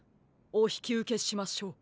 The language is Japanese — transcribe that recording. おひきうけしましょう。